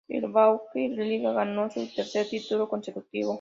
El Daugava Riga ganó su tercer título consecutivo.